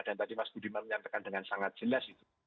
dan tadi mas budiman menyampaikan dengan sangat jelas itu